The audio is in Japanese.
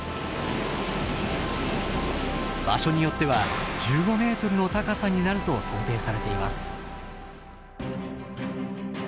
場所によっては１５メートルの高さになると想定されています。